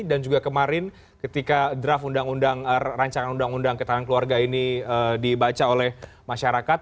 dan juga kemarin ketika draft undang undang rancangan undang undang ketahan keluarga ini dibaca oleh masyarakat